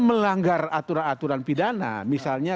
melanggar aturan aturan pidana misalnya